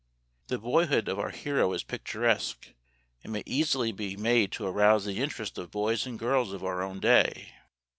The boyhood of our hero is picturesque and may easily be made to arouse the interest of boys and girls of our own day.